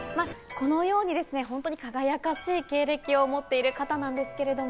このように輝かしい経歴を持っている方なんですけれども。